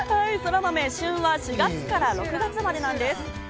そらまめ、旬は４月から６月までなんです。